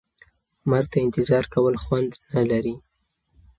مرګ ته انتظار کول خوند نه لري.